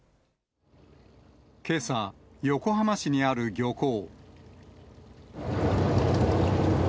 けさ、横浜市にある漁港。